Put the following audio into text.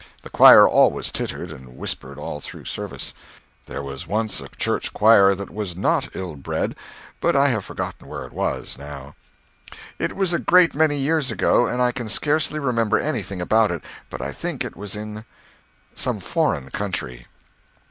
The choir always tittered and whispered all through service. There was once a church choir that was not ill bred, but I have forgotten where it was, now. It was a great many years ago, and I can scarcely remember anything about it, but I think it was in some foreign country.